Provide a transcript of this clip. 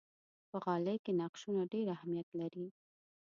په غالۍ کې نقشونه ډېر اهمیت لري.